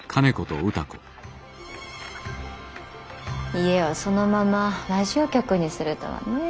家をそのままラジオ局にするとはねぇ。